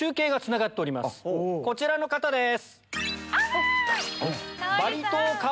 こちらの方です！